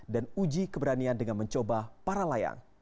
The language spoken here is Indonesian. dan uji keberanian dengan mencoba para layang